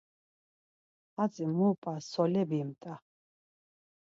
Hatzi mu p̌a, sole bimt̆a?